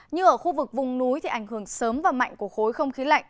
như ở khu vực vùng núi thì ảnh hưởng sớm và mạnh của khối không khí lạnh